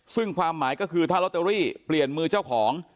ซึ่งความหมายก็คือถ้าลอตเตอรี่เปลี่ยนมือเจ้าของ